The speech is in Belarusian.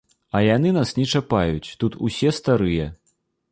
А яны нас не чапаюць, тут усе старыя.